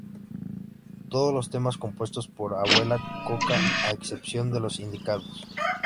Todos los temas compuestos por "Abuela Coca" a excepción de los indicados.